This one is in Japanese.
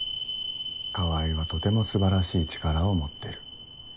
川合はとても素晴らしい力を持ってる。